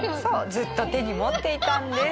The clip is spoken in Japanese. ずっと手に持っていたんです。